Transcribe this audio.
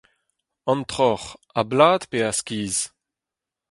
An troc'h, a-blad pe a-skizh ?